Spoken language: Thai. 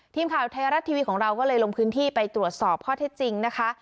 ทีมข่าวไทยรัฐทีวีของเราก็เลยลงพื้นที่ไปตรวจสอบข้อเท็จจริงนะคะ